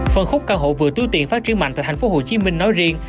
phân khúc căn hộ vừa tiêu tiện phát triển mạnh tại thành phố hồ chí minh nói riêng